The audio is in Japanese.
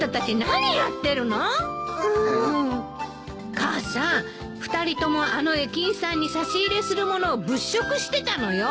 母さん２人ともあの駅員さんに差し入れする物を物色してたのよ。